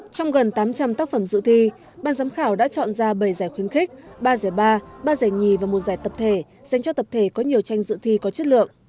trong gần tám trăm linh tác phẩm dự thi ban giám khảo đã chọn ra bảy giải khuyến khích ba giải ba ba giải nhì và một giải tập thể dành cho tập thể có nhiều tranh dự thi có chất lượng